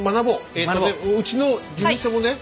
えとねうちの事務所もね